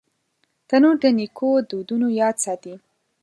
تنور د نیکو دودونو یاد ساتي